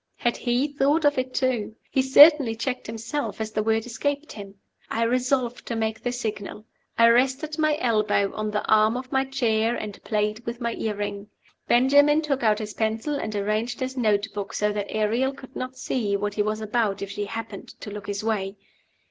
Had he thought of it too? He certainly checked himself as the word escaped him. I resolved to make the signal. I rested my elbow on the arm of my chair, and played with my earring. Benjamin took out his pencil and arranged his note book so that Ariel could not see what he was about if she happened to look his way.